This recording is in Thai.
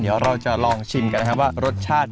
เดี๋ยวเราจะลองชิมกันนะครับว่ารสชาติ